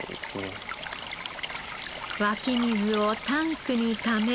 湧き水をタンクにため。